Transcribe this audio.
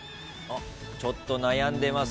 ちょっと悩んでます